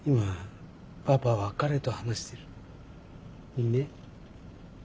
いいね？